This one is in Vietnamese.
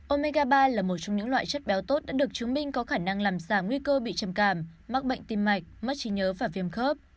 omegaba là một trong những loại chất béo tốt đã được chứng minh có khả năng làm giảm nguy cơ bị trầm cảm mắc bệnh tim mạch mất trí nhớ và viêm khớp